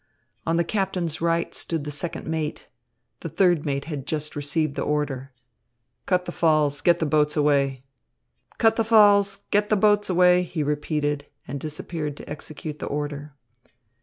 On the captain's right stood the second mate. The third mate had just received the order: "Cut the falls. Get the boats away." "Cut the falls. Get the boats away," he repeated and disappeared to execute the order.